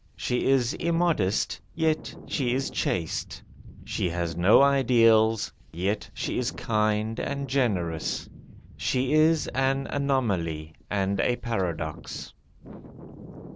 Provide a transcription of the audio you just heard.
She is immodest, yet she is chaste. She has no ideals, yet she is kind and generous. She is an anomaly and a paradox.